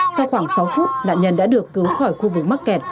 sau khoảng sáu phút nạn nhân đã được cứu khỏi khu vực mắc kẹt